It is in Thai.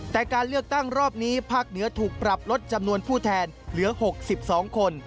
แต่การเลือกตั้งรอบนี้ภาคเหนือถูกปรับลดจำนวนผู้แทนเหลือ๖๒คน